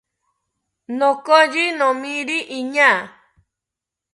Nokoyi nomiri iñaa